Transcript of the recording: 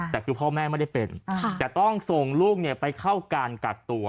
แต่คือพ่อแม่ไม่ได้เป็นแต่ต้องส่งลูกไปเข้าการกักตัว